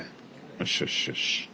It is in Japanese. よしよしよし。